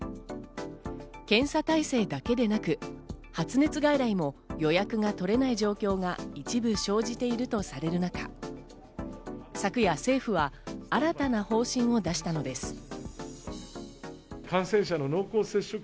検査体制だけでなく、発熱外来も予約が取れない状況が一部生じているとされる中、昨夜政府は新たな方針を出したのです。